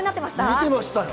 見てました。